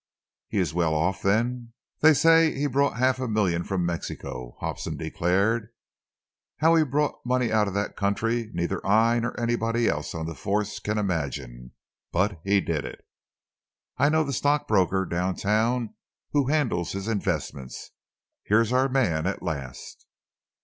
"He is well off, then?" "They say that he brought half a million from Mexico," Hobson declared. "How he brought money out of that country, neither I nor anybody else on the Force can imagine. But he did it. I know the stockbroker down town who handles his investments. Here's our man at last!"